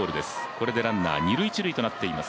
これでランナー、二塁一塁となっています。